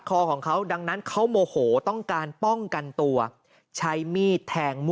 คอของเขาดังนั้นเขาโมโหต้องการป้องกันตัวใช้มีดแทงมั่